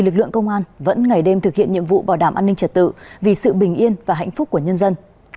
lực lượng công an vẫn ngày đêm thực hiện nhiệm vụ bảo đảm an ninh trật tự vì sự bình yên và hạnh phúc của nhân dân